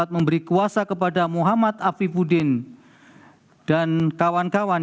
memberi kuasa kepada muhammad afifuddin dan kawan kawan